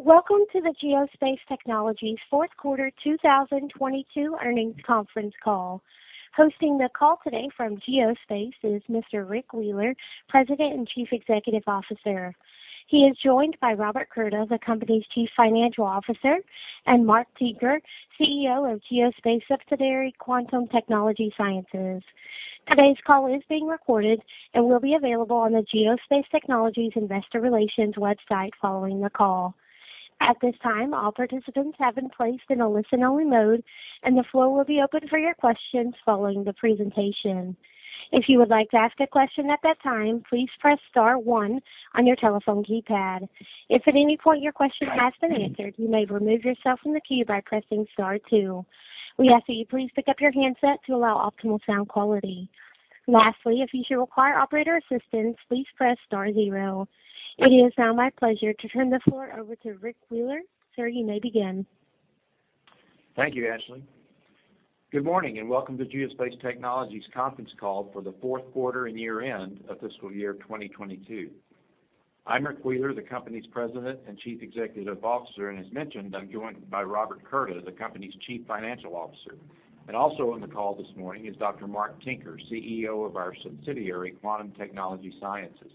Welcome to the Geospace Technologies fourth quarter 2022 earnings conference call. Hosting the call today from Geospace is Mr. Rick Wheeler, President and Chief Executive Officer. He is joined by Robert Curda, the company's Chief Financial Officer, and Mark Tinker, CEO of Geospace subsidiary, Quantum Technology Sciences. Today's call is being recorded and will be available on the Geospace Technologies investor relations website following the call. At this time, all participants have been placed in a listen-only mode, and the floor will be open for your questions following the presentation. If you would like to ask a question at that time, please press star one on your telephone keypad. If at any point your question has been answered, you may remove yourself from the queue by pressing star two. We ask that you please pick up your handset to allow optimal sound quality. Lastly, if you should require operator assistance, please press star zero. It is now my pleasure to turn the floor over to Rick Wheeler. Sir, you may begin. Thank you, Ashley. Good morning and welcome to Geospace Technologies conference call for the fourth quarter and year-end of fiscal year 2022. I'm Rick Wheeler, the company's President and Chief Executive Officer, and as mentioned, I'm joined by Robert Curda, the company's Chief Financial Officer. Also on the call this morning is Dr. Mark Tinker, CEO of our subsidiary, Quantum Technology Sciences.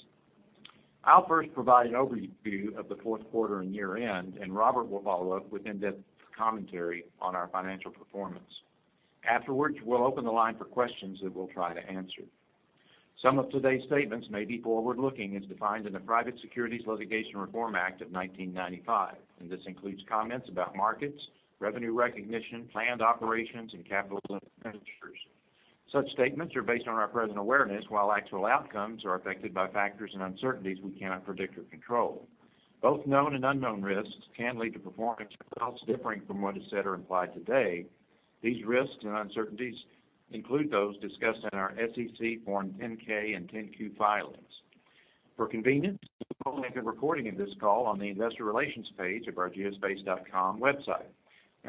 I'll first provide an overview of the fourth quarter and year-end, and Robert will follow up with in-depth commentary on our financial performance. Afterwards, we'll open the line for questions that we'll try to answer. Some of today's statements may be forward-looking as defined in the Private Securities Litigation Reform Act of 1995, and this includes comments about markets, revenue recognition, planned operations, and capital expenditures. Such statements are based on our present awareness, while actual outcomes are affected by factors and uncertainties we cannot predict or control. Both known and unknown risks can lead to performance or results differing from what is said or implied today. These risks and uncertainties include those discussed in our SEC Form 10-K and 10-Q filings. For convenience, a full-length recording of this call on the investor relations page of our geospace.com website.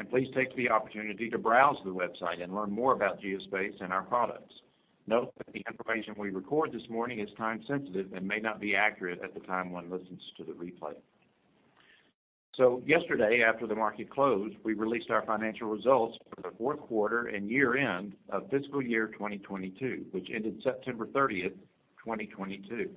Please take the opportunity to browse the website and learn more about Geospace and our products. Note that the information we record this morning is time-sensitive and may not be accurate at the time one listens to the replay. Yesterday, after the market closed, we released our financial results for the fourth quarter and year-end of fiscal year 2022, which ended September 30th, 2022.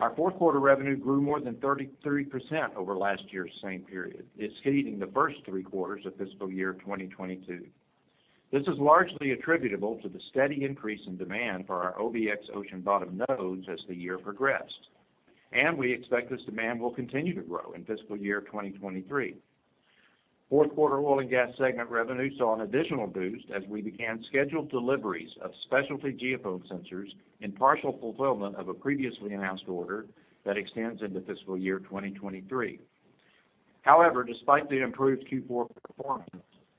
Our fourth quarter revenue grew more than 33% over last year's same period, exceeding the first three quarters of fiscal year 2022. This is largely attributable to the steady increase in demand for our OBX ocean bottom nodes as the year progressed, and we expect this demand will continue to grow in fiscal year 2023. Fourth quarter oil and gas segment revenue saw an additional boost as we began scheduled deliveries of specialty geophone sensors in partial fulfillment of a previously announced order that extends into fiscal year 2023. However, despite the improved Q4 performance,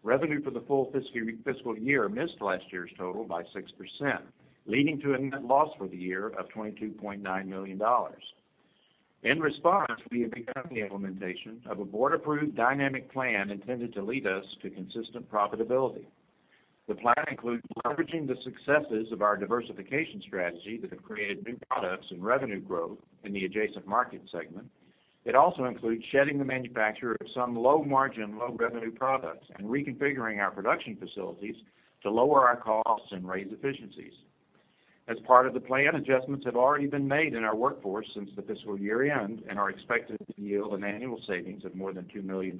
revenue for the full fiscal year missed last year's total by 6%, leading to a net loss for the year of $22.9 million. In response, we have begun the implementation of a board-approved dynamic plan intended to lead us to consistent profitability. The plan includes leveraging the successes of our diversification strategy that have created new products and revenue growth in the adjacent market segment. It also includes shedding the manufacture of some low-margin, low-revenue products and reconfiguring our production facilities to lower our costs and raise efficiencies. As part of the plan, adjustments have already been made in our workforce since the fiscal year-end and are expected to yield an annual savings of more than $2 million.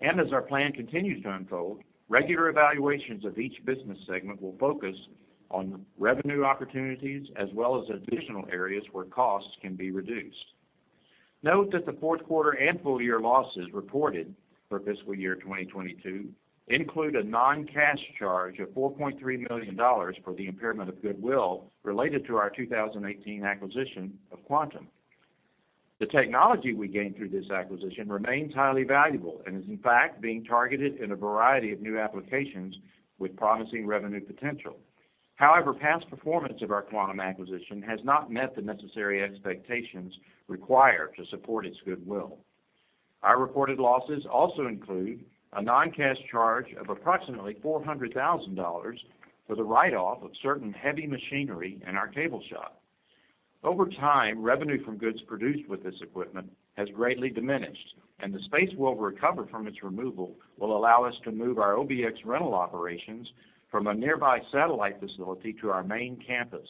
As our plan continues to unfold, regular evaluations of each business segment will focus on revenue opportunities as well as additional areas where costs can be reduced. Note that the fourth quarter and full-year losses reported for fiscal year 2022 include a non-cash charge of $4.3 million for the impairment of goodwill related to our 2018 acquisition of Quantum. The technology we gained through this acquisition remains highly valuable and is, in fact, being targeted in a variety of new applications with promising revenue potential. However, past performance of our Quantum acquisition has not met the necessary expectations required to support its goodwill. Our reported losses also include a non-cash charge of approximately $400 thousand for the write-off of certain heavy machinery in our cable shop. Over time, revenue from goods produced with this equipment has greatly diminished, and the space we'll recover from its removal will allow us to move our OBX rental operations from a nearby satellite facility to our main campus.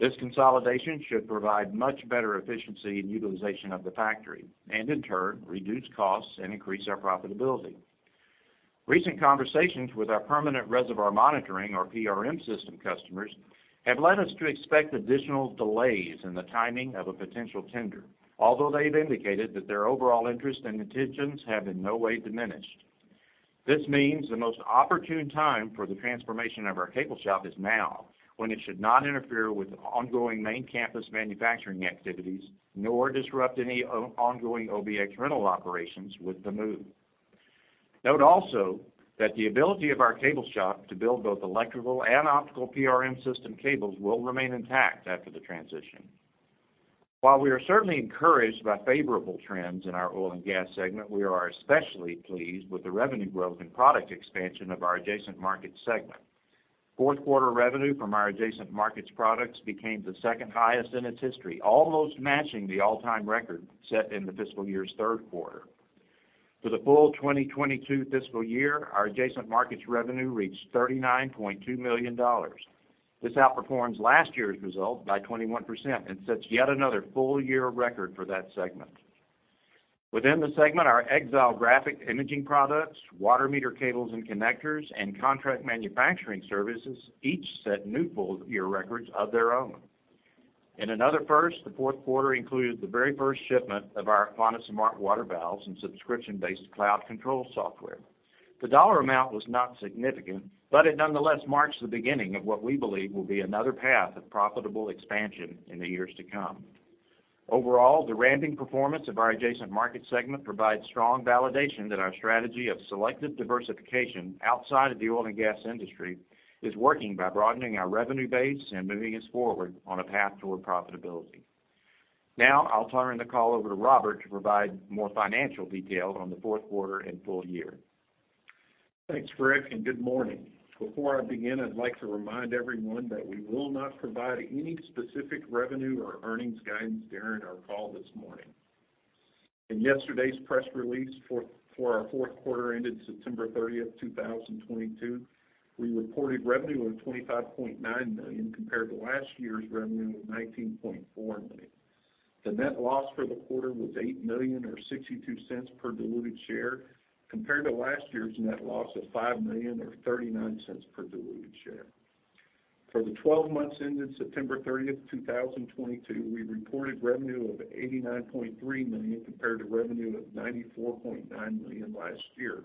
This consolidation should provide much better efficiency and utilization of the factory and, in turn, reduce costs and increase our profitability. Recent conversations with our permanent reservoir monitoring or PRM system customers have led us to expect additional delays in the timing of a potential tender, although they've indicated that their overall interest and intentions have in no way diminished. This means the most opportune time for the transformation of our cable shop is now, when it should not interfere with ongoing main campus manufacturing activities, nor disrupt any ongoing OBX rental operations with the move. Note also that the ability of our cable shop to build both electrical and optical PRM system cables will remain intact after the transition. While we are certainly encouraged by favorable trends in our oil and gas segment, we are especially pleased with the revenue growth and product expansion of our adjacent market segment. Fourth quarter revenue from our adjacent markets products became the second highest in its history, almost matching the all-time record set in the fiscal year's third quarter. For the full 2022 fiscal year, our adjacent markets revenue reached $39.2 million. This outperforms last year's result by 21% and sets yet another full year record for that segment. Within the segment, our EXILE graphic imaging products, water meter cables and connectors, and contract manufacturing services each set new full year records of their own. In another first, the fourth quarter included the very first shipment of our Aquana smart water valves and subscription-based cloud control software. The dollar amount was not significant, but it nonetheless marks the beginning of what we believe will be another path of profitable expansion in the years to come. Overall, the ramping performance of our adjacent market segment provides strong validation that our strategy of selective diversification outside of the oil and gas industry is working by broadening our revenue base and moving us forward on a path toward profitability. Now, I'll turn the call over to Robert to provide more financial detail on the fourth quarter and full year. Thanks, Rick, and good morning. Before I begin, I'd like to remind everyone that we will not provide any specific revenue or earnings guidance during our call this morning. In yesterday's press release for our fourth quarter ended September 30th, 2022, we reported revenue of $25.9 million compared to last year's revenue of $19.4 million. The net loss for the quarter was $8 million or $0.62 per diluted share compared to last year's net loss of $5 million or $0.39 per diluted share. For the 12 months ended September 30th, 2022, we reported revenue of $89.3 million compared to revenue of $94.9 million last year.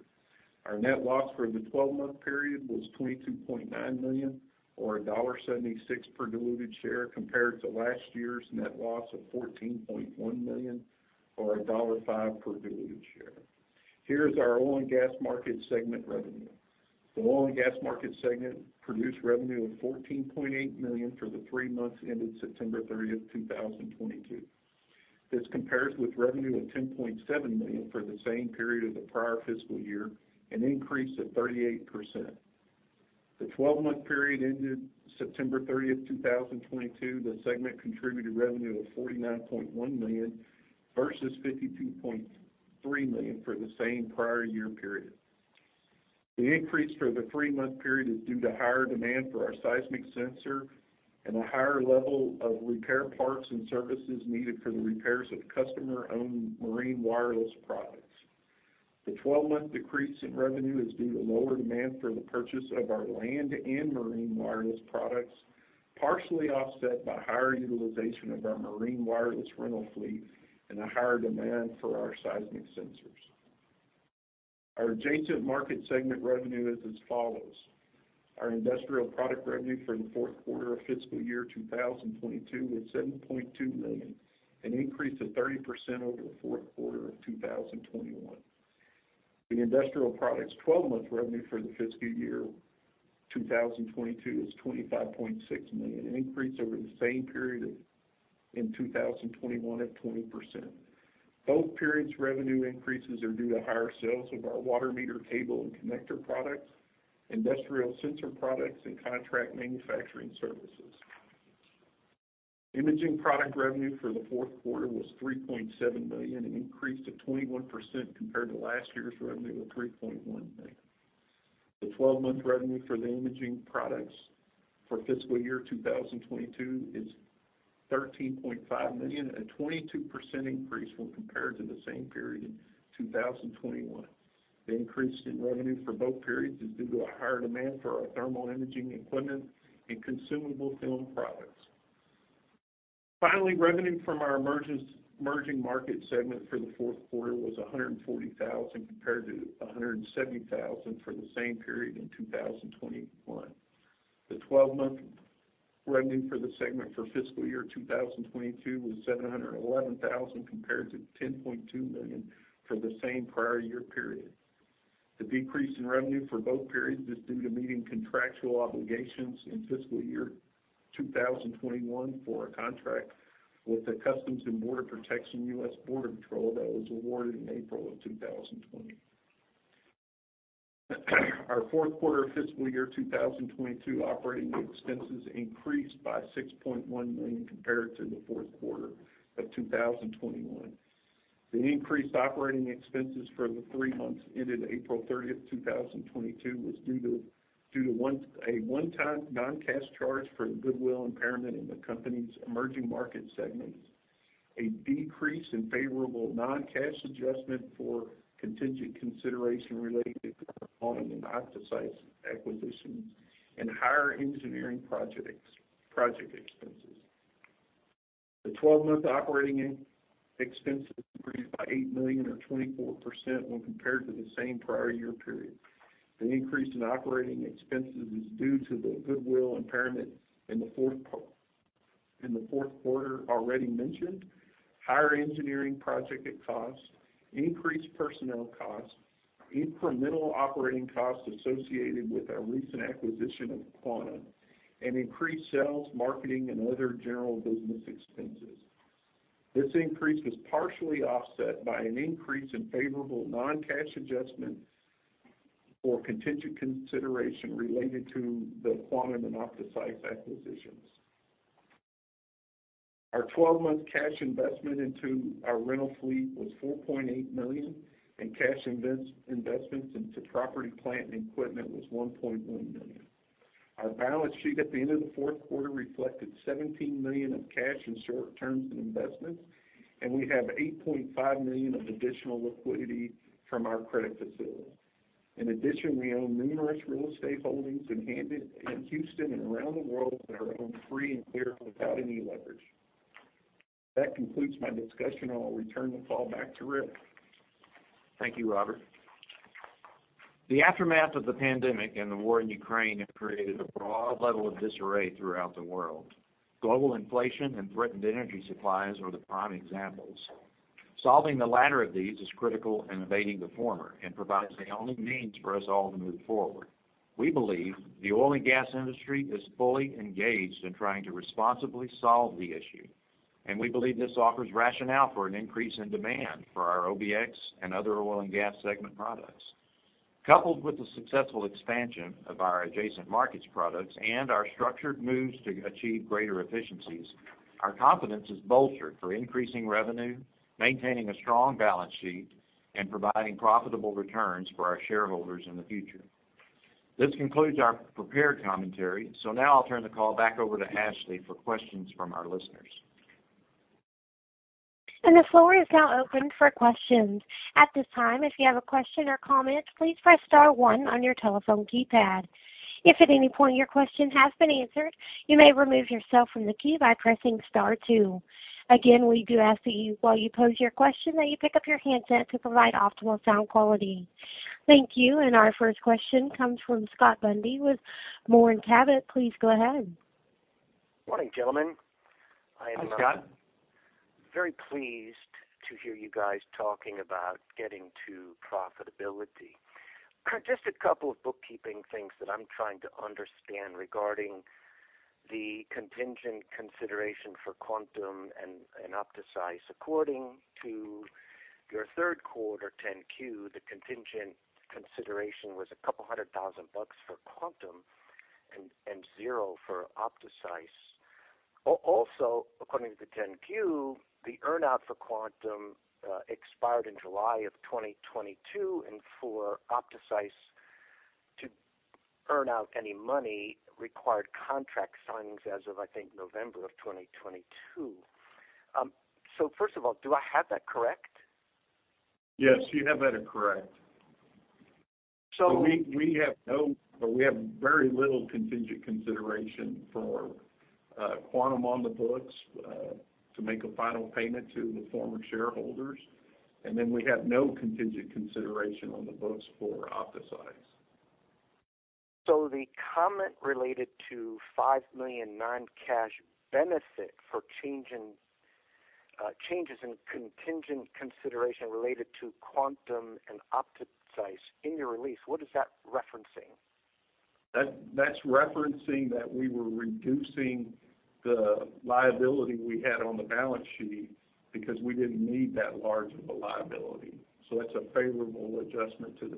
Our net loss for the 12-month period was $22.9 million or $1.76 per diluted share compared to last year's net loss of $14.1 million or $1.05 per diluted share. Here's our oil and gas market segment revenue. The oil and gas market segment produced revenue of $14.8 million for the three months ended September 30th, 2022. This compares with revenue of $10.7 million for the same period of the prior fiscal year, an increase of 38%. The 12-month period ended September 30th, 2022, the segment contributed revenue of $49.1 million versus $52.3 million for the same prior year period. The increase for the three-month period is due to higher demand for our seismic sensor and a higher level of repair parts and services needed for the repairs of customer-owned marine wireless products. The 12-month decrease in revenue is due to lower demand for the purchase of our land and marine wireless products, partially offset by higher utilization of our marine wireless rental fleet and a higher demand for our seismic sensors. Our adjacent market segment revenue is as follows. Our industrial product revenue for the fourth quarter of fiscal year 2022 was $7.2 million, an increase of 30% over the fourth quarter of 2021. The industrial products 12-month revenue for the fiscal year 2022 is $25.6 million, an increase over the same period in 2021 of 20%. Both periods' revenue increases are due to higher sales of our water meter cable and connector products, industrial sensor products, and contract manufacturing services. Imaging product revenue for the fourth quarter was $3.7 million, an increase of 21% compared to last year's revenue of $3.1 million. The 12-month revenue for the imaging products for fiscal year 2022 is $13.5 million, a 22% increase when compared to the same period in 2021. The increase in revenue for both periods is due to a higher demand for our thermal imaging equipment and consumable film products. Finally, revenue from our emerging market segment for the fourth quarter was $140 thousand compared to $170 thousand for the same period in 2021. The 12-month revenue for the segment for fiscal year 2022 was $711,000 compared to $10.2 million for the same prior-year period. The decrease in revenue for both periods is due to meeting contractual obligations in fiscal year 2021 for a contract with the U.S. Customs and Border Protection U.S. Border Patrol that was awarded in April of 2020. Our fourth quarter fiscal year 2022 operating expenses increased by $6.1 million compared to the fourth quarter of 2021. The increased operating expenses for the three months ended April 30th, 2022 was due to one, a one-time non-cash charge for the goodwill impairment in the company's emerging market segments, a decrease in favorable non-cash adjustment for contingent consideration related to performance in OptoSeis acquisitions and higher engineering project expenses. The 12-month operating expenses increased by $8 million or 24% when compared to the same prior year period. The increase in operating expenses is due to the goodwill impairment in the fourth quarter already mentioned, higher engineering project costs, increased personnel costs, incremental operating costs associated with our recent acquisition of Quantum, and increased sales, marketing, and other general business expenses. This increase was partially offset by an increase in favorable non-cash adjustment for contingent consideration related to the Quantum and OptoSeis acquisitions. Our 12-month cash investment into our rental fleet was $4.8 million, and cash investments into property, plant, and equipment was $1.1 million. Our balance sheet at the end of the fourth quarter reflected $17 million of cash and short-term investments, and we have $8.5 million of additional liquidity from our credit facility. In addition, we own numerous real estate holdings in Houston and around the world that are owned free and clear without any leverage. That concludes my discussion, and I'll return the call back to Rick. Thank you, Robert. The aftermath of the pandemic and the war in Ukraine have created a broad level of disarray throughout the world. Global inflation and threatened energy supplies are the prime examples. Solving the latter of these is critical in evading the former and provides the only means for us all to move forward. We believe the oil and gas industry is fully engaged in trying to responsibly solve the issue, and we believe this offers rationale for an increase in demand for our OBX and other oil and gas segment products. Coupled with the successful expansion of our adjacent markets products and our structured moves to achieve greater efficiencies, our confidence is bolstered for increasing revenue, maintaining a strong balance sheet, and providing profitable returns for our shareholders in the future. This concludes our prepared commentary. Now I'll turn the call back over to Ashley for questions from our listeners. The floor is now open for questions. At this time, if you have a question or comment, please press star one on your telephone keypad. If at any point your question has been answered, you may remove yourself from the queue by pressing star two. Again, we do ask that you, while you pose your question, that you pick up your handset to provide optimal sound quality. Thank you. Our first question comes from Scott Bundy with Moors & Cabot. Please go ahead. Morning, gentlemen. Hi, Scott. I am very pleased to hear you guys talking about getting to profitability. Just a couple of bookkeeping things that I'm trying to understand regarding the contingent consideration for Quantum and OptoSeis. According to your third quarter 10-Q, the contingent consideration was $a couple hundred thousand bucks for Quantum and $0 for OptoSeis. Also, according to the 10-Q, the earn-out for Quantum expired in July of 2022, and for OptoSeis to earn out any money required contract signings as of, I think, November of 2022. First of all, do I have that correct? Yes, you have that correct. We have very little contingent consideration for Quantum on the books to make a final payment to the former shareholders. We have no contingent consideration on the books for OptoSeis. The comment related to $5 million non-cash benefit for changes in contingent consideration related to Quantum and OptoSeis in your release, what is that referencing? That's referencing that we were reducing the liability we had on the balance sheet because we didn't need that large of a liability. That's a favorable adjustment to the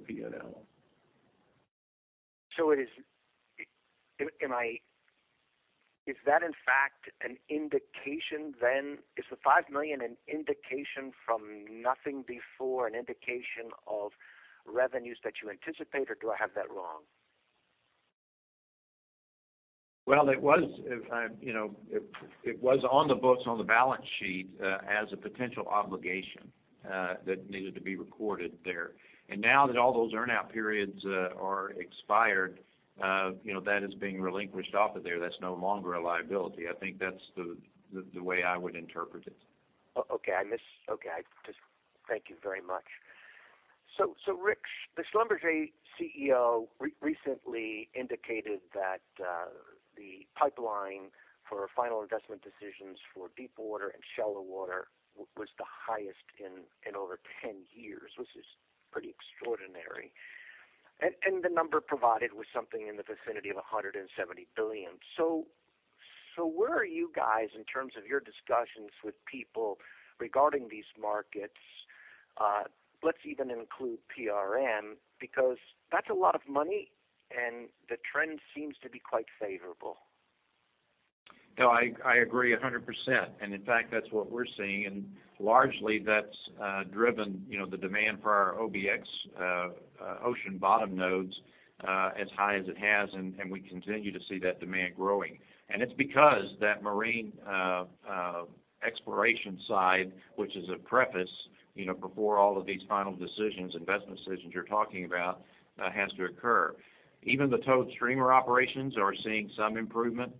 P&L. Is the $5 million an indication from nothing before, an indication of revenues that you anticipate, or do I have that wrong? Well, you know, it was on the books, on the balance sheet as a potential obligation that needed to be recorded there. Now that all those earn-out periods are expired that is being relinquished off of there. That's no longer a liability. I think that's the way I would interpret it. Okay. I guess, okay. Just thank you very much. Rick, the Schlumberger CEO recently indicated that the pipeline for final investment decisions for deep water and shallow water was the highest in over 10 years, which is pretty extraordinary. The number provided was something in the vicinity of $170 billion. Where are you guys in terms of your discussions with people regarding these markets? Let's even include PRM, because that's a lot of money, and the trend seems to be quite favorable. No, I agree 100%. In fact, that's what we're seeing. Largely, that's driven, you know, the demand for our OBX ocean bottom nodes as high as it has, and we continue to see that demand growing. It's because that marine exploration side, which is a preface, you know, before all of these final decisions, investment decisions you're talking about, has to occur. Even the towed streamer operations are seeing some improvement.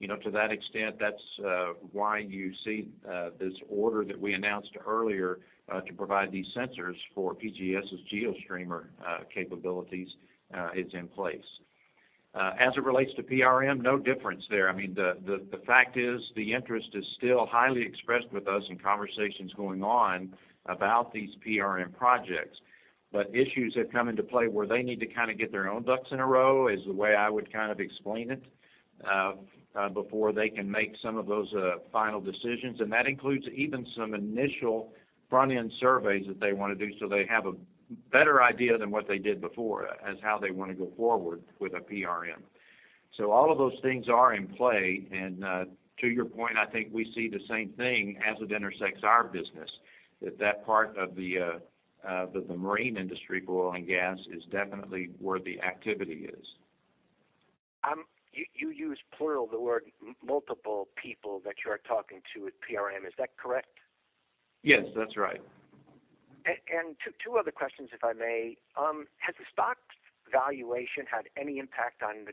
You know, to that extent, that's why you see this order that we announced earlier to provide these sensors for PGS' GeoStreamer capabilities is in place. As it relates to PRM, no difference there. I mean, the fact is the interest is still highly expressed with us in conversations going on about these PRM projects. Issues have come into play where they need to kind of get their own ducks in a row, is the way I would kind of explain it, before they can make some of those final decisions. That includes even some initial front-end surveys that they wanna do, so they have a better idea than what they did before as how they wanna go forward with a PRM. All of those things are in play. To your point, I think we see the same thing as it intersects our business, that that part of the marine industry for oil and gas is definitely where the activity is. You use plural, the word multiple people that you are talking to at PRM. Is that correct? Yes, that's right. Two other questions, if I may. Has the stock valuation had any impact on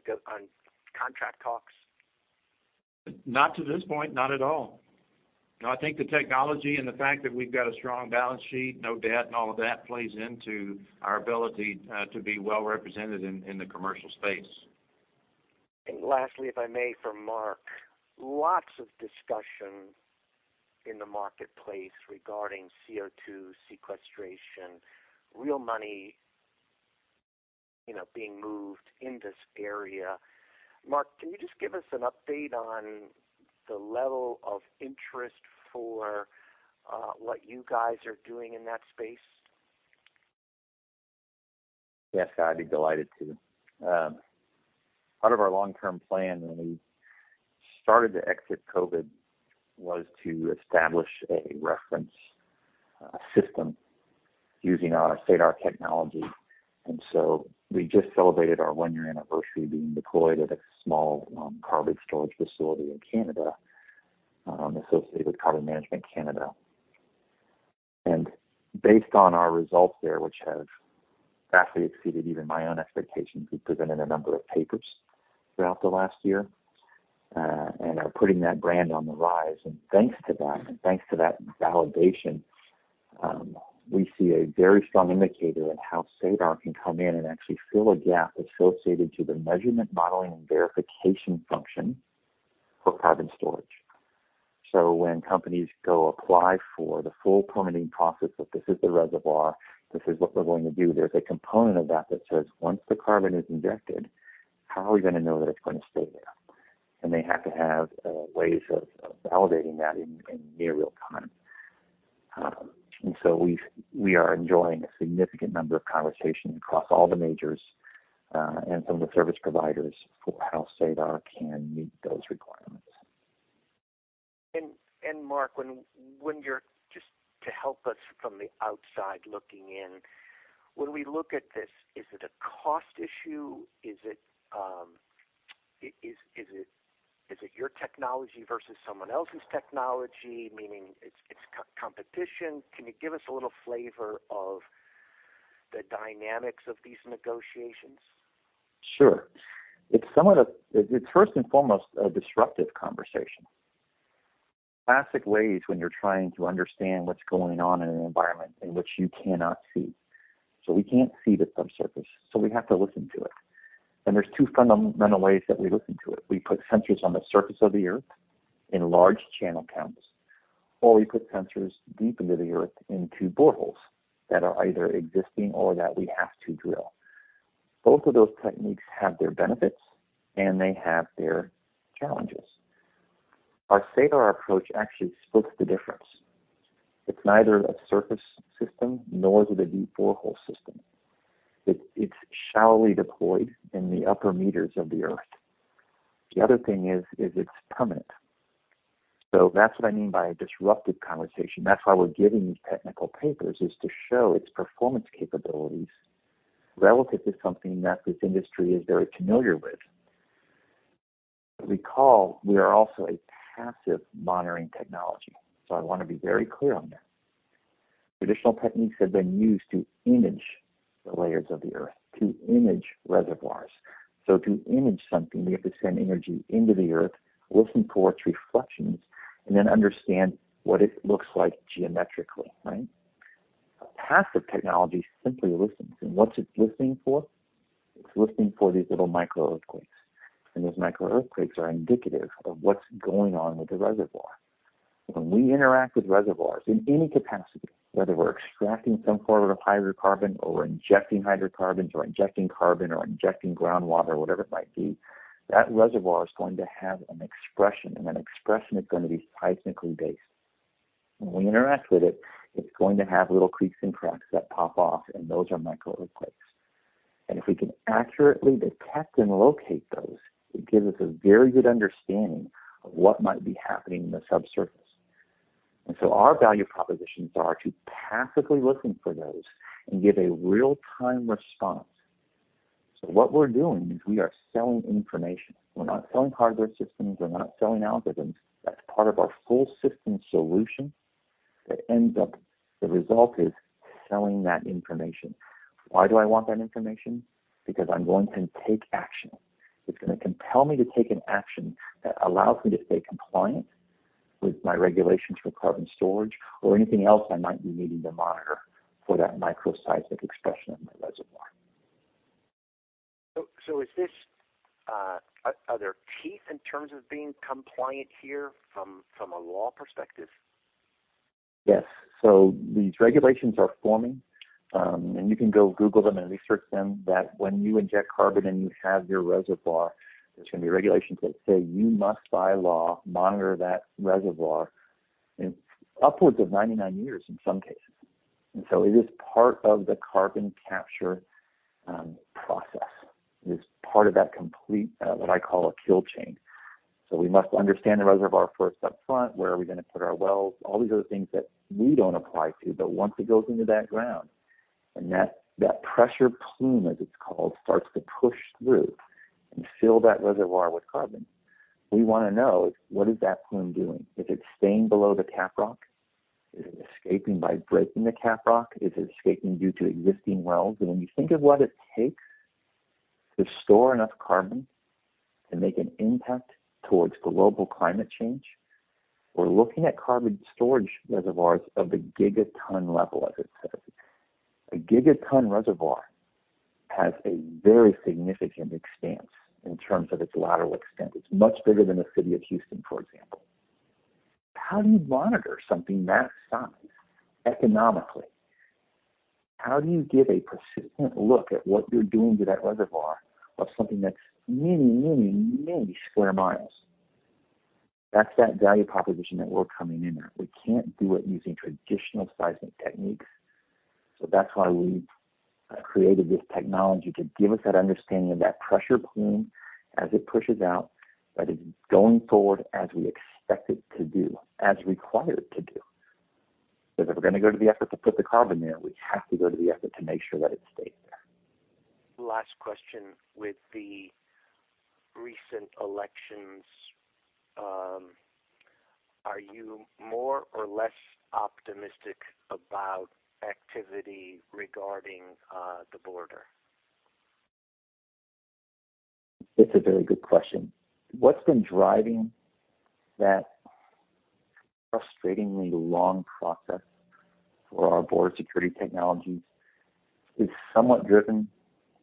contract talks? Not to this point, not at all. No, I think the technology and the fact that we've got a strong balance sheet, no debt and all of that plays into our ability to be well-represented in the commercial space. Lastly, if I may, for Mark. Lots of discussion in the marketplace regarding CO2 sequestration, real money, you know, being moved in this area. Mark, can you just give us an update on the level of interest for what you guys are doing in that space? Yes, Scott, I'd be delighted to. Part of our long-term plan when we started to exit COVID was to establish a reference system using our SADAR technology. We just celebrated our one-year anniversary being deployed at a small carbon storage facility in Canada associated with Carbon Management Canada. Based on our results there, which have vastly exceeded even my own expectations, we've presented a number of papers throughout the last year and are putting that brand on the rise. Thanks to that and thanks to that validation, we see a very strong indicator in how SADAR can come in and actually fill a gap associated to the measurement, modeling, and verification function for carbon storage. When companies go apply for the full permitting process of this is the reservoir, this is what we're going to do, there's a component of that that says, once the carbon is injected, how are we gonna know that it's gonna stay there? They have to have ways of validating that in near real-time. We are enjoying a significant number of conversations across all the majors and some of the service providers for how SADAR can meet those requirements. Mark, just to help us from the outside looking in, when we look at this, is it a cost issue? Is it your technology versus someone else's technology, meaning it's co-competition? Can you give us a little flavor of the dynamics of these negotiations? Sure. It's first and foremost a disruptive conversation. Classic ways when you're trying to understand what's going on in an environment in which you cannot see. We can't see the subsurface, so we have to listen to it. There's two fundamental ways that we listen to it. We put sensors on the surface of the earth in large channel counts, or we put sensors deep into the earth into boreholes that are either existing or that we have to drill. Both of those techniques have their benefits and they have their challenges. Our SADAR approach actually splits the difference. It's neither a surface system nor is it a deep borehole system. It's shallowly deployed in the upper meters of the earth. The other thing is it's permanent. That's what I mean by a disruptive conversation. That's why we're giving these technical papers, is to show its performance capabilities relative to something that this industry is very familiar with. Recall, we are also a passive monitoring technology, so I wanna be very clear on that. Traditional techniques have been used to image the layers of the earth, to image reservoirs. To image something, we have to send energy into the earth, listen for its reflections, and then understand what it looks like geometrically, right? A passive technology simply listens. What's it listening for? It's listening for these little microearthquakes. Those microearthquakes are indicative of what's going on with the reservoir. When we interact with reservoirs in any capacity, whether we're extracting some form of hydrocarbon or injecting hydrocarbons or injecting carbon or injecting groundwater or whatever it might be, that reservoir is going to have an expression, and that expression is gonna be seismically based. When we interact with it's going to have little creaks and cracks that pop off, and those are microearthquakes. If we can accurately detect and locate those, it gives us a very good understanding of what might be happening in the subsurface. Our value propositions are to passively listen for those and give a real-time response. What we're doing is we are selling information. We're not selling hardware systems. We're not selling algorithms. That's part of our full-system solution that ends up the result is selling that information. Why do I want that information? Because I'm going to take action, it's gonna compel me to take an action that allows me to stay compliant with my regulations for carbon storage or anything else I might be needing to monitor for that microseismic expression in my reservoir. Are there teeth in terms of being compliant here from a law perspective? Yes. These regulations are forming, and you can go Google them and research them that when you inject carbon and you have your reservoir, there's gonna be regulations that say you must by law monitor that reservoir in upwards of 99 years in some cases. It is part of the carbon capture process. It is part of that complete what I call a kill chain. We must understand the reservoir first up front. Where are we gonna put our wells? All these other things that we don't apply to. Once it goes into that ground and that pressure plume, as it's called, starts to push through and fill that reservoir with carbon, we wanna know what is that plume doing? Is it staying below the caprock? Is it escaping by breaking the caprock? Is it escaping due to existing wells? When you think of what it takes to store enough carbon to make an impact towards global climate change, we're looking at carbon storage reservoirs of the gigaton level, as I said. A gigaton reservoir has a very significant expanse in terms of its lateral extent. It's much bigger than the city of Houston, for example. How do you monitor something that size economically? How do you get a persistent look at what you're doing to that reservoir of something that's many sq mi? That's that value proposition that we're coming in at. We can't do it using traditional seismic techniques. That's why we've created this technology to give us that understanding of that pressure plume as it pushes out. That is going forward as we expect it to do, as required to do. Because if we're gonna go to the effort to put the carbon there, we have to go to the effort to make sure that it stays there. Last question. With the recent elections, are you more or less optimistic about activity regarding the border? It's a very good question. What's been driving that frustratingly long process for our border security technologies is somewhat driven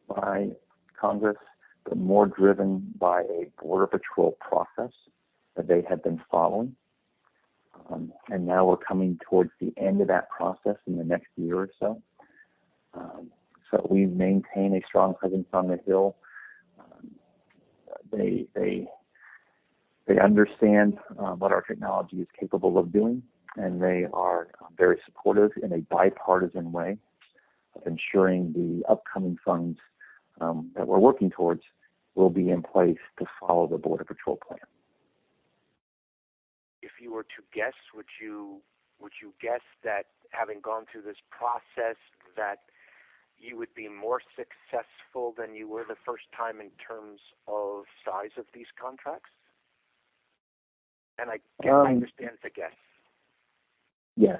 by Congress, but more driven by a Border Patrol process that they had been following. Now we're coming towards the end of that process in the next year or so. We maintain a strong presence on the Hill. They understand what our technology is capable of doing, and they are very supportive in a bipartisan way of ensuring the upcoming funds that we're working towards will be in place to follow the Border Patrol plan. If you were to guess, would you guess that having gone through this process, that you would be more successful than you were the first time in terms of size of these contracts? I understand it's a guess. Yes.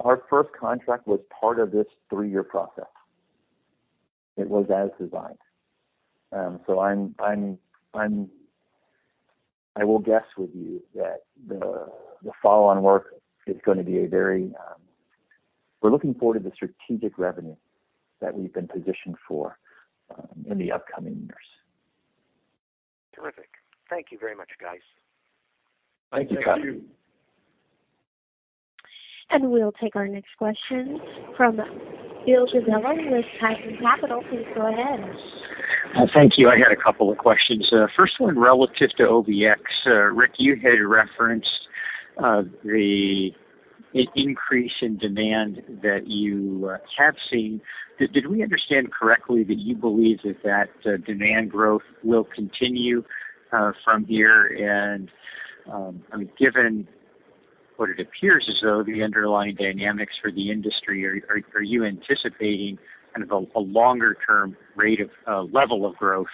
Our first contract was part of this three-year process. It was as designed. We're looking forward to the strategic revenue that we've been positioned for in the upcoming years. Terrific. Thank you very much, guys. Thank you, Scott. Thank you. We'll take our next question from Bill Dezellem with Tieton Capital. Please go ahead. Thank you. I had a couple of questions. First one relative to OBX. Rick, you had referenced an increase in demand that you have seen. Did we understand correctly that you believe that that demand growth will continue from here? I mean, given what it appears as though the underlying dynamics for the industry are you anticipating kind of a longer-term level of growth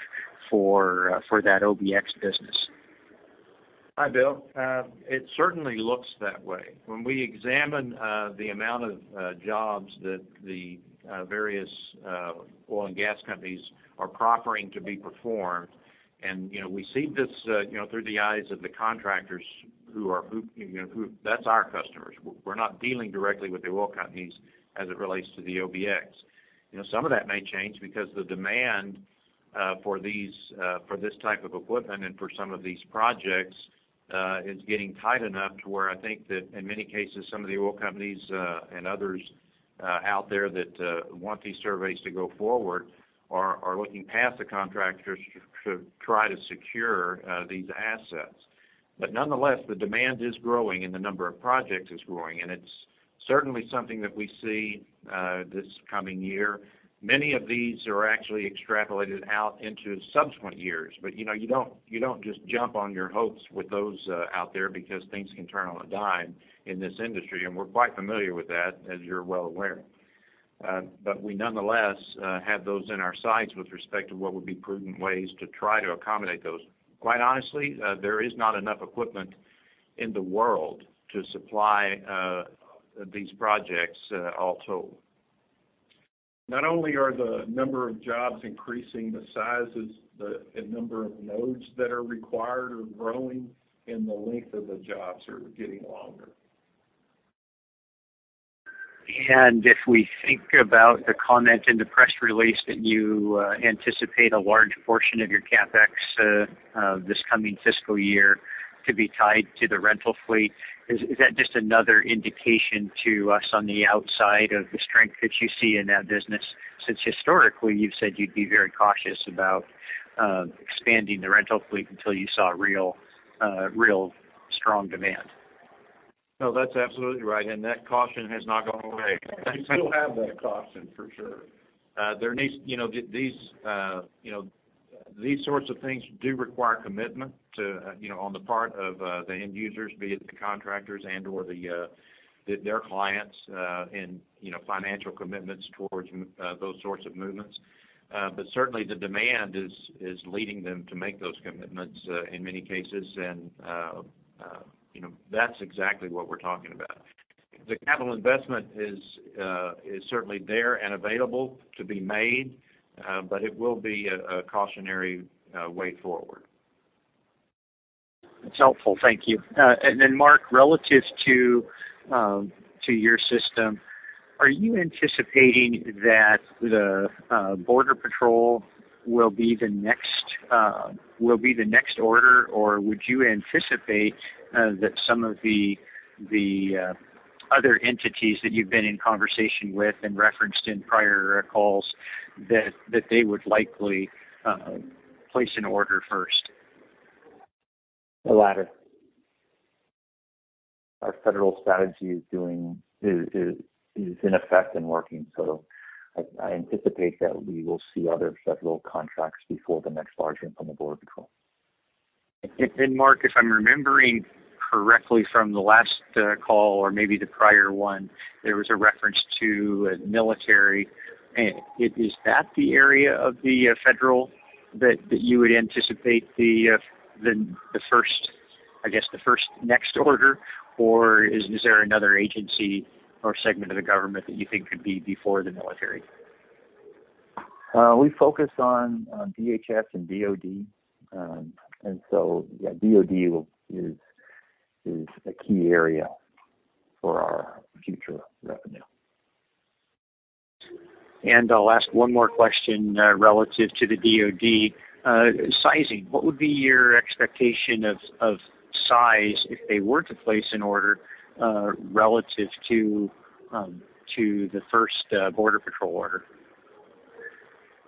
for that OBX business? Hi, Bill. It certainly looks that way. When we examine the amount of jobs that the various oil and gas companies are proffering to be performed, you know, we see this, you know, through the eyes of the contractors. That's our customers. We're not dealing directly with the oil companies as it relates to the OBX. You know, some of that may change because the demand for this type of equipment and for some of these projects is getting tight enough to where I think that in many cases, some of the oil companies and others out there that want these surveys to go forward are looking past the contractors to try to secure these assets. Nonetheless, the demand is growing, and the number of projects is growing. It's certainly something that we see this coming year. Many of these are actually extrapolated out into subsequent years, but you know, you don't just jump on your hopes with those out there because things can turn on a dime in this industry, and we're quite familiar with that, as you're well aware. We nonetheless have those in our sights with respect to what would be prudent ways to try to accommodate those. Quite honestly, there is not enough equipment in the world to supply these projects, all told. Not only are the number of jobs increasing, the sizes, the number of nodes that are required are growing, and the length of the jobs are getting longer. If we think about the comment in the press release that you anticipate a large portion of your CapEx this coming fiscal year to be tied to the rental fleet, is that just another indication to us on the outside of the strength that you see in that business, since historically you've said you'd be very cautious about expanding the rental fleet until you saw real strong demand? No, that's absolutely right, and that caution has not gone away. We still have that caution, for sure. You know, these sorts of things do require commitment, you know, on the part of the end users, be it the contractors and/or their clients, and, you know, financial commitments towards those sorts of movements. Certainly the demand is leading them to make those commitments in many cases and, you know, that's exactly what we're talking about. The capital investment is certainly there and available to be made, but it will be a cautionary way forward. That's helpful. Thank you. Mark, relative to your system, are you anticipating that the Border Patrol will be the next order, or would you anticipate that some of the other entities that you've been in conversation with and referenced in prior calls, that they would likely place an order first? The latter. Our federal strategy is in effect and working. I anticipate that we will see other federal contracts before the next large award on the Border Patrol. Mark, if I'm remembering correctly from the last call or maybe the prior one, there was a reference to military. Is that the area of the federal that you would anticipate, I guess, the first next order, or is there another agency or segment of the government that you think could be before the military? We focus on DHS and DoD. Yeah, DoD is a key area for our future revenue. I'll ask one more question relative to the DoD. Sizing, what would be your expectation of size if they were to place an order relative to the first Border Patrol order?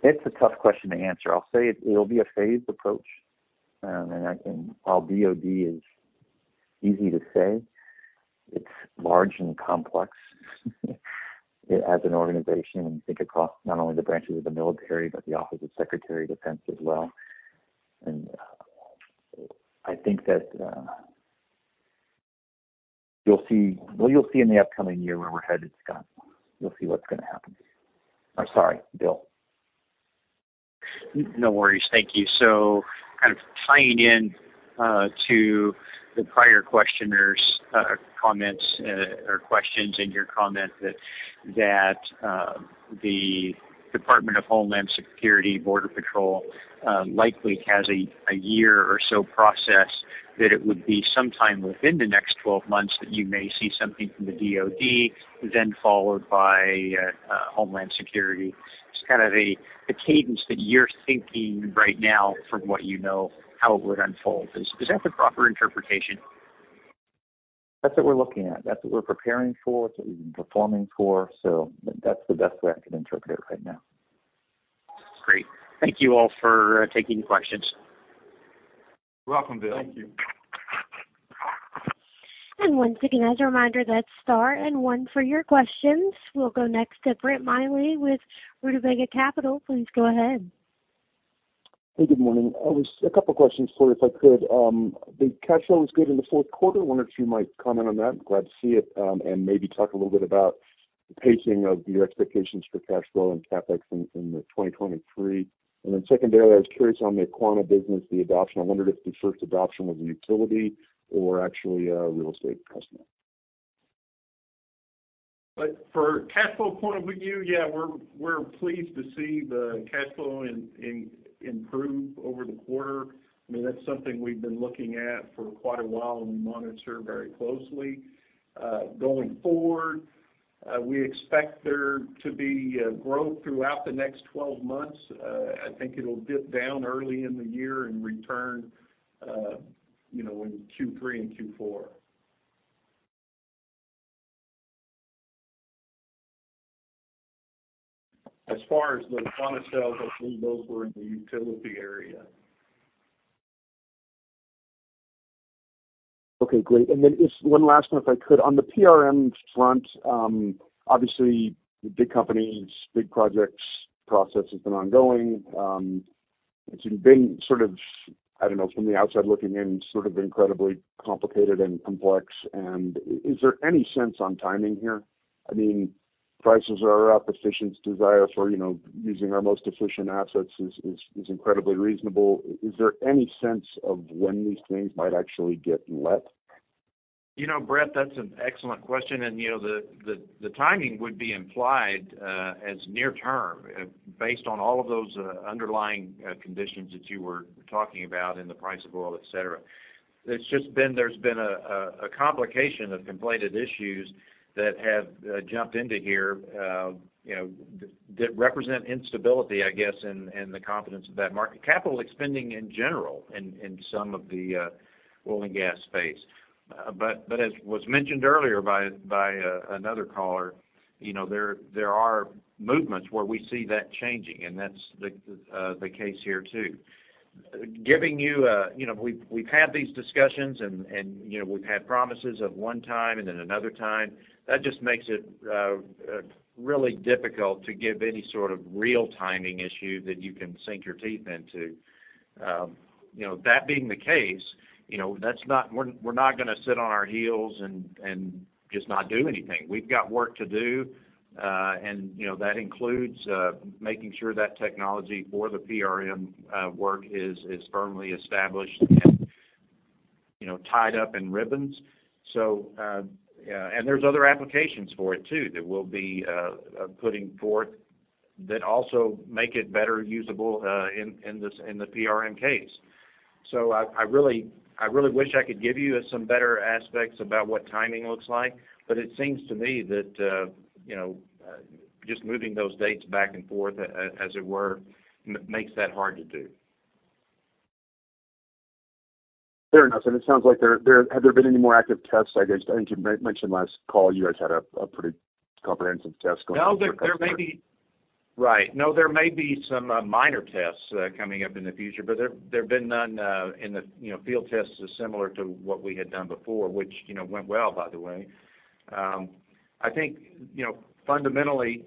It's a tough question to answer. I'll say it'll be a phased approach. I think while DoD is easy to say, it's large and complex as an organization, when you think across not only the branches of the military, but the Office of Secretary of Defense as well. I think that, well, you'll see in the upcoming year where we're headed, Scott. You'll see what's gonna happen. Sorry, Bill. No worries. Thank you. Kind of tying in to the prior questioners' comments or questions and your comment that the Department of Homeland Security Border Patrol likely has a year or so process that it would be sometime within the next 12 months that you may see something from the DoD, then followed by Homeland Security. Just kind of the cadence that you're thinking right now from what you know, how it would unfold. Is that the proper interpretation? That's what we're looking at. That's what we're preparing for. It's what we've been performing for. That's the best way I can interpret it right now. Great. Thank you all for taking the questions. You're welcome, Bill. Thank you. Once again, as a reminder, that's star and one for your questions. We'll go next to Brent Miley with Rutabaga Capital. Please go ahead. Hey, good morning. A couple questions for you, if I could. The cash flow was good in the fourth quarter. Wonder if you might comment on that. Glad to see it. Maybe talk a little bit about the pacing of your expectations for cash flow and CapEx in the 2023. Secondly, I was curious on the Aquana business, the adoption. I wondered if the first adoption was a utility or actually a real estate customer. For cash flow point of view, yeah, we're pleased to see the cash flow improve over the quarter. I mean, that's something we've been looking at for quite a while, and we monitor very closely. Going forward, we expect there to be growth throughout the next 12 months. I think it'll dip down early in the year and return, you know, in Q3 and Q4. As far as the Aquana sales, I believe those were in the utility area. Okay, great. Just one last one, if I could. On the PRM front, obviously, the big companies, big projects process has been ongoing. It's been sort of, I don't know, from the outside looking in, sort of incredibly complicated and complex. Is there any sense on timing here? I mean, prices are up, efficiency's desire for, you know, using our most efficient assets is incredibly reasonable. Is there any sense of when these things might actually get let? You know, Brett, that's an excellent question. You know, the timing would be implied as near term based on all of those underlying conditions that you were talking about in the price of oil, etc. There's been a complication of conflated issues that have jumped into here, you know, that represent instability, I guess, in the confidence of that market. Capital spending in general in some of the oil and gas space. As was mentioned earlier by another caller, you know, there are movements where we see that changing, and that's the case here too. You know, we've had these discussions and, you know, we've had promises of one time and then another time. That just makes it really difficult to give any sort of real timing issue that you can sink your teeth into. You know, that being the case, you know, we're not gonna sit on our heels and just not do anything. We've got work to do. You know, that includes making sure that technology for the PRM work is firmly established and, you know, tied up in ribbons. There's other applications for it too that we'll be putting forth that also make it better usable in the PRM case. I really wish I could give you some better aspects about what timing looks like, but it seems to me that, you know, just moving those dates back and forth as it were makes that hard to do. Fair enough. Have there been any more active tests? I guess, I think you mentioned last call you guys had a pretty comprehensive test going for a customer. No, there may be. Right. No, there may be some minor tests coming up in the future, but there have been none in the, you know, field tests as similar to what we had done before, which, you know, went well, by the way. I think, you know, fundamentally,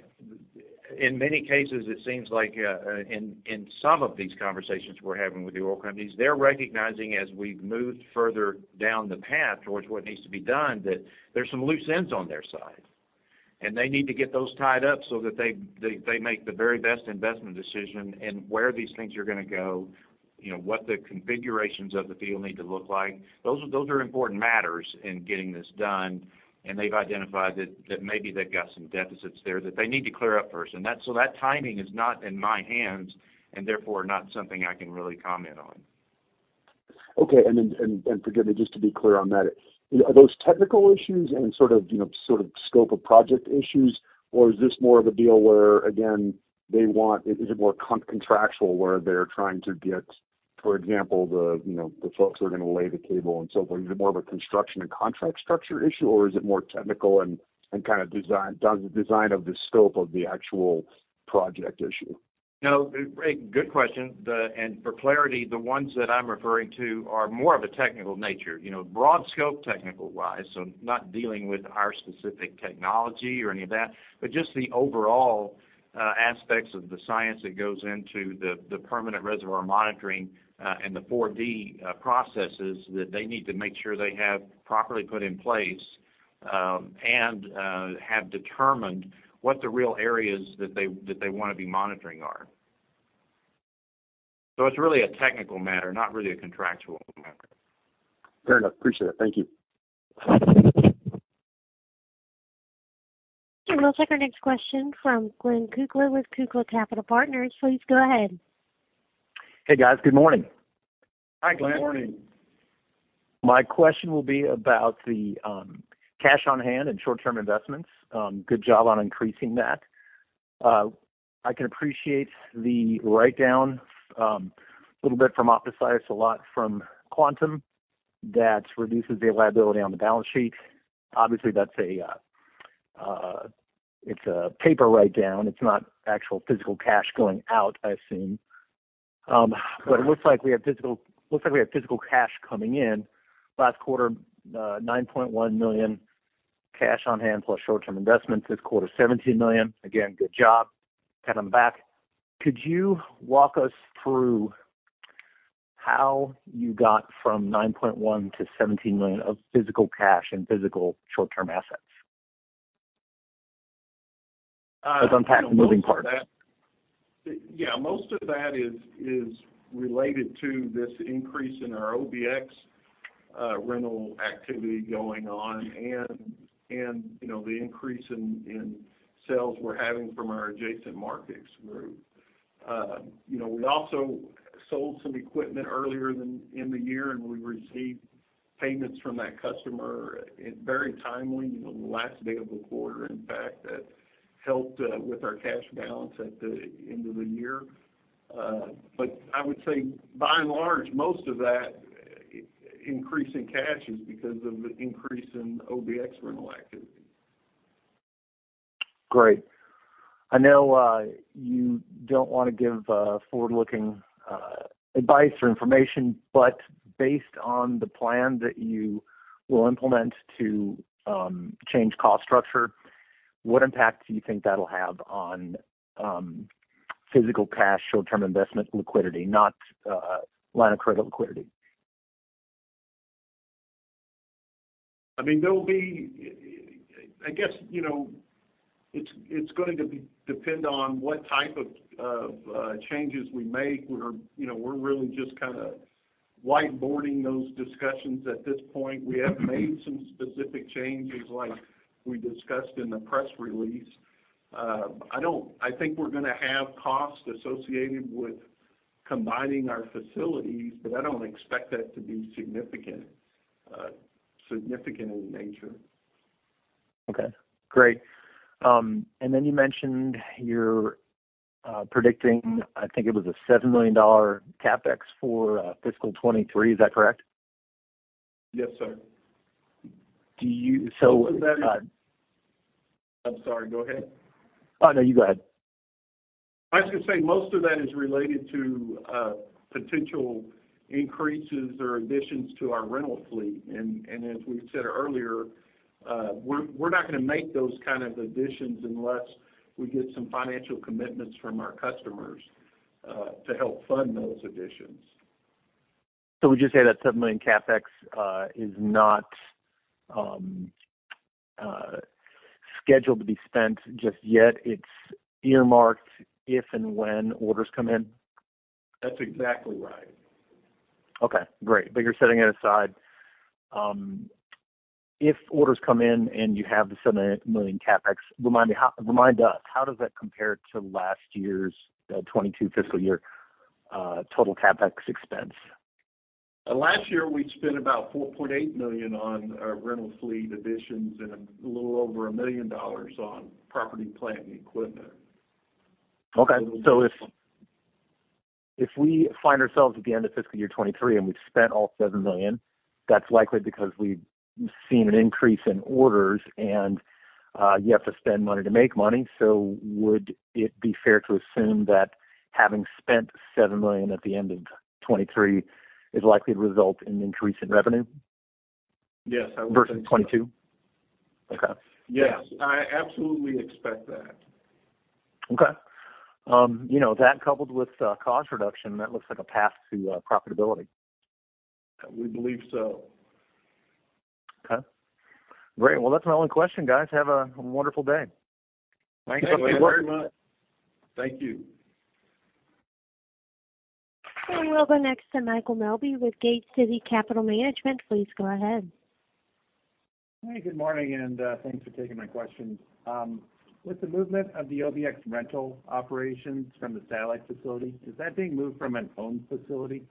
in many cases, it seems like in some of these conversations we're having with the oil companies, they're recognizing as we've moved further down the path towards what needs to be done, that there's some loose ends on their side. They need to get those tied up so that they make the very best investment decision and where these things are gonna go, you know, what the configurations of the field need to look like. Those are important matters in getting this done, and they've identified that maybe they've got some deficits there that they need to clear up first. That timing is not in my hands and therefore not something I can really comment on. Okay. Forgive me, just to be clear on that. Are those technical issues and sort of, you know, scope of project issues? Is it more contractual where they're trying to get, for example, the, you know, folks who are gonna lay the cable and so forth? Is it more of a construction and contract structure issue, or is it more technical and kind of does the design of the scope of the actual project issue? No, great, good question. For clarity, the ones that I'm referring to are more of a technical nature, you know, broad scope technical wise, so not dealing with our specific technology or any of that, but just the overall aspects of the science that goes into the permanent reservoir monitoring and the 4D processes that they need to make sure they have properly put in place and have determined what the real areas that they wanna be monitoring are. It's really a technical matter, not really a contractual matter. Fair enough. Appreciate it. Thank you. We'll take our next question from Glenn Kukla with Kukla Capital Partners. Please go ahead. Hey, guys. Good morning. Hi, Glenn. Good morning. My question will be about the cash on hand and short-term investments. Good job on increasing that. I can appreciate the write-down a little bit from OptoSeis, a lot from Quantum that reduces the liability on the balance sheet. Obviously, it's a paper write-down. It's not actual physical cash going out, I assume. It looks like we have physical cash coming in. Last quarter, $9.1 million cash on hand plus short-term investments. This quarter, $17 million. Again, good job. Pat on the back. Could you walk us through how you got from $9.1 million-$17 million of physical cash and physical short-term assets? Let's unpack the moving parts. Yeah. Most of that is related to this increase in our OBX rental activity going on and, you know, the increase in sales we're having from our Adjacent Markets group. You know, we also sold some equipment earlier in the year, and we received payments from that customer very timely, you know, the last day of the quarter, in fact. That helped with our cash balance at the end of the year. I would say by and large, most of that increase in cash is because of the increase in OBX rental activity. Great. I know you don't wanna give forward-looking advice or information. Based on the plan that you will implement to change cost structure, what impact do you think that'll have on physical cash, short-term investment liquidity, not line of credit liquidity? I guess, you know, it's going to depend on what type of changes we make. We're, you know, really just kinda whiteboarding those discussions at this point. We have made some specific changes like we discussed in the press release. I think we're gonna have costs associated with combining our facilities, but I don't expect that to be significant in nature. Okay, great. You mentioned you're predicting, I think it was a 7 million dollar CapEx for fiscal 2023. Is that correct? Yes, sir. I'm sorry, go ahead. Oh, you go ahead. I was gonna say most of that is related to potential increases or additions to our rental fleet. As we said earlier, we're not gonna make those kind of additions unless we get some financial commitments from our customers to help fund those additions. Would you say that $7 million CapEx is not scheduled to be spent just yet? It's earmarked if and when orders come in? That's exactly right. Okay, great. You're setting it aside. If orders come in and you have the $7 million CapEx, remind us, how does that compare to last year's 2022 fiscal year total CapEx expense? Last year, we spent about $4.8 million on our rental fleet additions and a little over $1 million on property, plant, and equipment. Okay. If we find ourselves at the end of fiscal year 2023, and we've spent all $7 million, that's likely because we've seen an increase in orders, and you have to spend money to make money. Would it be fair to assume that having spent $7 million at the end of 2023 is likely to result in an increase in revenue? Yes, I would say so. Versus 2022? Okay. Yes. I absolutely expect that. Okay. You know, that coupled with cost reduction, that looks like a path to profitability. We believe so. Okay. Great. Well, that's my only question, guys. Have a wonderful day. Thanks, Glenn. Okay. Thank you very much. Thank you. We'll go next to Michael Melby with Gate City Capital Management. Please go ahead. Hey, good morning. Thanks for taking my questions. With the movement of the OBX rental operations from the Satellite facility, is that being moved from an owned facility?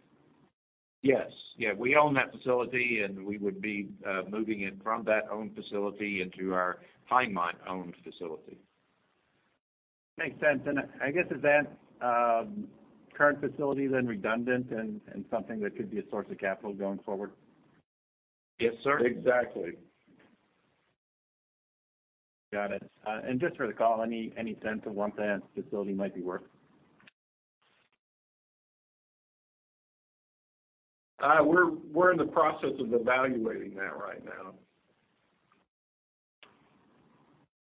Yeah, we own that facility, and we would be moving it from that owned facility into our Pinemont-owned facility. Makes sense. I guess, is that current facility then redundant and something that could be a source of capital going forward? Yes, sir. Exactly. Got it. Just for the call, any sense of what that facility might be worth? We're in the process of evaluating that right now.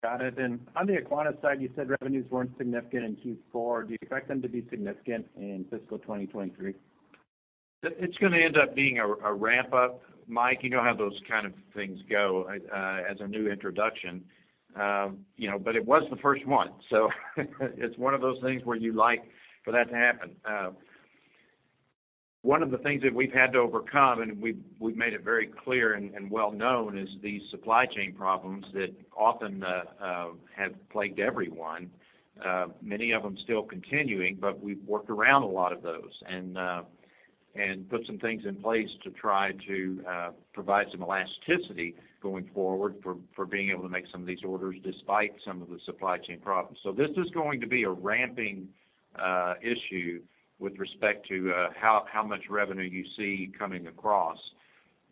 Got it. On the Aquana side, you said revenues weren't significant in Q4. Do you expect them to be significant in fiscal 2023? It's gonna end up being a ramp-up, Mike. You know how those kind of things go as a new introduction. You know, it was the first one, so it's one of those things where you like for that to happen. One of the things that we've had to overcome, and we've made it very clear and well known, is the supply chain problems that often have plagued everyone. Many of them still continuing, but we've worked around a lot of those and put some things in place to try to provide some elasticity going forward for being able to make some of these orders despite some of the supply chain problems. This is going to be a ramping issue with respect to how much revenue you see coming across.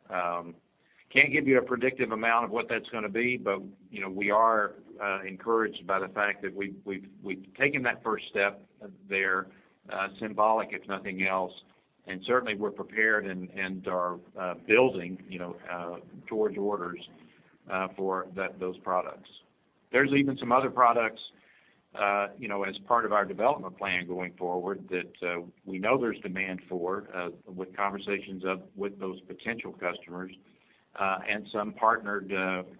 Can't give you a predictive amount of what that's gonna be, but, you know, we are encouraged by the fact that we've taken that first step there, symbolic if nothing else. Certainly, we're prepared and are building, you know, towards orders for those products. There's even some other products, you know, as part of our development plan going forward that we know there's demand for with conversations up with those potential customers and some partnered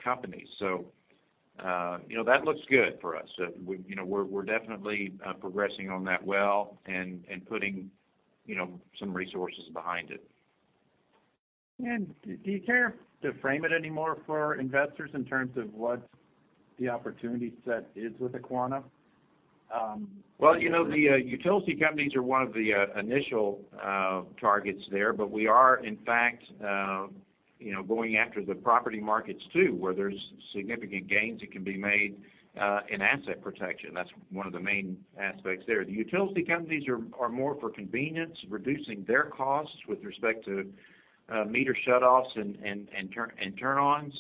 companies. You know, that looks good for us. We, you know, we're definitely progressing on that well and putting, you know, some resources behind it. Do you care to frame it any more for investors in terms of what the opportunity set is with Aquana? Well, you know, the utility companies are one of the initial targets there, but we are in fact, you know, going after the property markets too, where there's significant gains that can be made in asset protection. That's one of the main aspects there. The utility companies are more for convenience, reducing their costs with respect to meter shutoffs and turn-ons,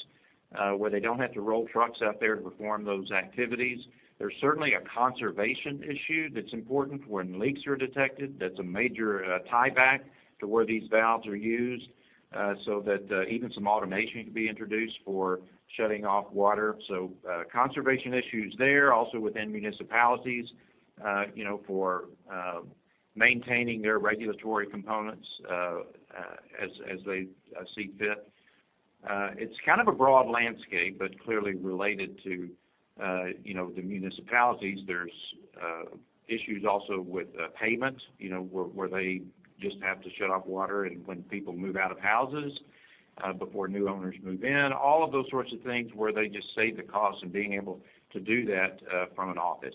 where they don't have to roll trucks out there to perform those activities. There's certainly a conservation issue that's important when leaks are detected. That's a major tie back to where these valves are used, so that even some automation can be introduced for shutting off water. Conservation issues there. Also within municipalities, you know, for maintaining their regulatory components as they see fit. It's kind of a broad landscape, but clearly related to, you know, the municipalities. There's issues also with payments, you know, where they just have to shut off water and when people move out of houses before new owners move in. All of those sorts of things where they just save the cost of being able to do that from an office.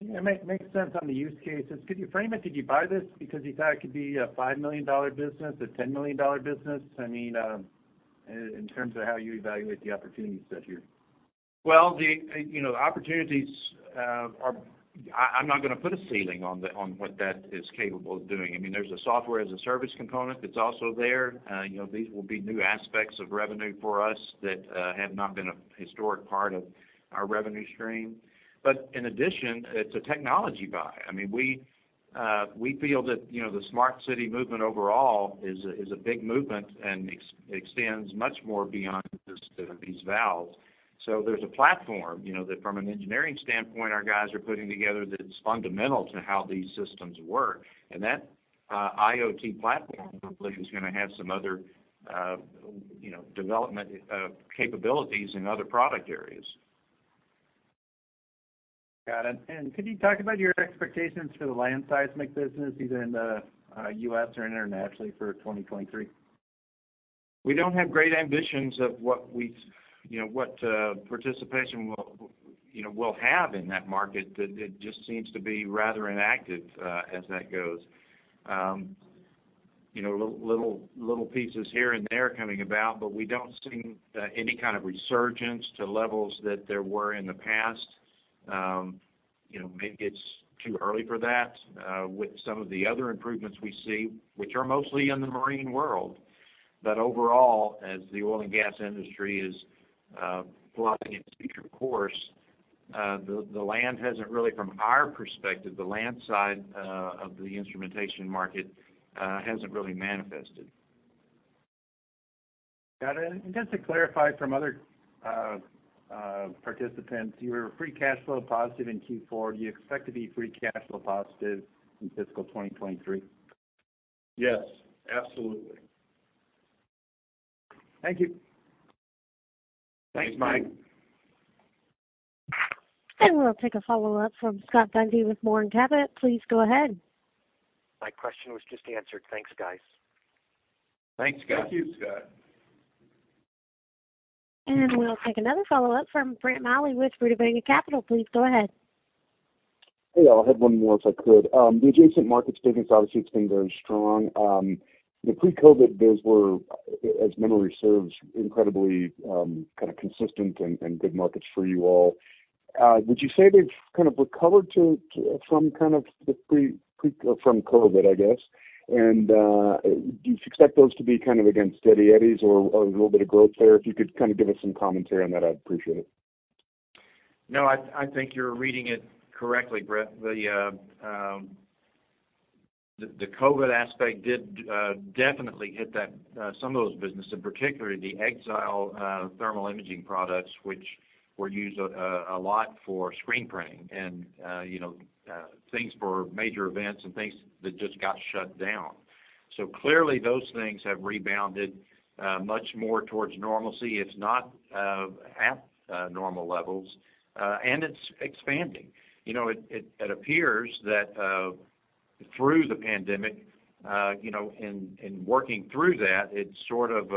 Yeah. Make sense on the use cases. Could you frame it? Did you buy this because you thought it could be a 5-million-dollar business, a 10-million-dollar business? I mean, in terms of how you evaluate the opportunity set here. Well, I'm not gonna put a ceiling on what that is capable of doing. I mean, there's a software as a service component that's also there. You know, these will be new aspects of revenue for us that have not been a historic part of our revenue stream. In addition, it's a technology buy. I mean, we feel that, you know, the smart city movement overall is a big movement and extends much more beyond just these valves. There's a platform, you know, that from an engineering standpoint, our guys are putting together that it's fundamental to how these systems work. That IoT platform I believe is gonna have some other, you know, development capabilities in other product areas. Got it. Could you talk about your expectations for the land seismic business, either in the U.S. or internationally for 2023? We don't have great ambitions of, you know, what participation, you know, we'll have in that market. That it just seems to be rather inactive as that goes. You know, little pieces here and there coming about, but we don't see any kind of resurgence to levels that there were in the past. You know, maybe it's too early for that with some of the other improvements we see, which are mostly in the marine world. Overall, as the oil and gas industry is plotting its future course, from our perspective, the land side of the instrumentation market hasn't really manifested. Got it. Just to clarify from other participants, you were free cash flow positive in Q4. Do you expect to be free cash flow positive in fiscal 2023? Yes, absolutely. Thank you. Thanks, Mike. We'll take a follow-up from Scott Bundy with Moors & Cabot. Please go ahead. My question was just answered. Thanks, guys. Thanks, Scott. Thank you, Scott. We'll take another follow-up from Brent Miley with Rutabaga Capital. Please go ahead. Hey, y'all. I had one more, if I could. The adjacent markets business, obviously it's been very strong. The pre-COVID days were, as memory serves, incredibly kind of consistent and good markets for you all. Would you say they've kind of recovered to some kind of the pre- or from COVID, I guess? Do you expect those to be kind of again steady Eddies or a little bit of growth there? If you could kind of give us some commentary on that, I'd appreciate it. No, I think you're reading it correctly, Brett. The COVID aspect did definitely hit some of those businesses, in particular the EXILE thermal imaging products, which were used a lot for screen printing and, you know, things for major events and things that just got shut down. Clearly those things have rebounded much more towards normalcy. It's not at normal levels and it's expanding. You know, it appears that through the pandemic, you know, and working through that, it sort of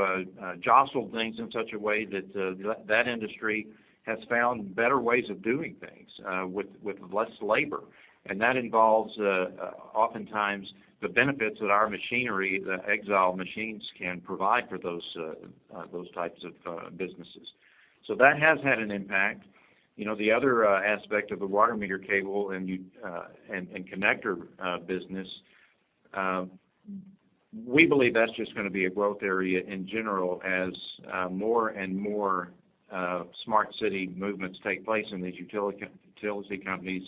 jostled things in such a way that industry has found better ways of doing things with less labor. That involves oftentimes the benefits that our machinery, the EXILE machines can provide for those types of businesses. That has had an impact. You know, the other aspect of the water meter cable and connector business, we believe that's just gonna be a growth area in general as more and more smart city movements take place in these utility companies.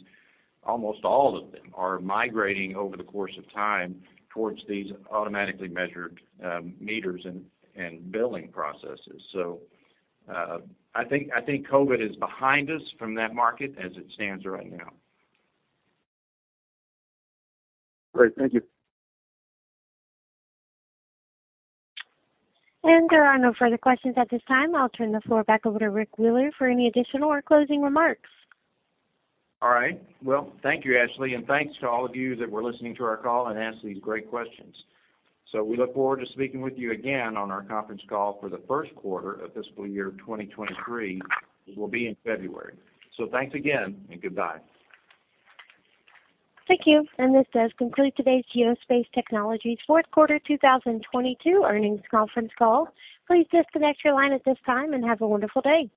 Almost all of them are migrating over the course of time towards these automatically measured meters and billing processes. I think COVID is behind us from that market as it stands right now. Great. Thank you. There are no further questions at this time. I'll turn the floor back over to Rick Wheeler for any additional or closing remarks. All right. Well, thank you, Ashley, and thanks to all of you that were listening to our call and asking these great questions. We look forward to speaking with you again on our conference call for the first quarter of fiscal year 2023, which will be in February. Thanks again and goodbye. Thank you. This does conclude today's Geospace Technologies fourth quarter 2022 earnings conference call. Please disconnect your line at this time and have a wonderful day.